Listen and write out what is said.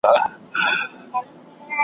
شپه تاریکه ده نګاره چي رانه سې .